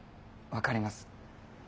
わかります。